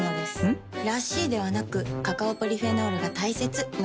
ん？らしいではなくカカオポリフェノールが大切なんです。